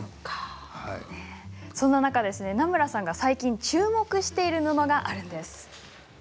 そんな中、南村さんが最近注目している布があるんです。